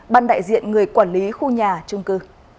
ban đại diện người quản lý khu nhà trung cư